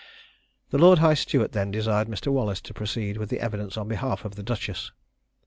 The lord high steward then desired Mr. Wallace to proceed with the evidence on behalf of the duchess.